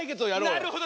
なるほど。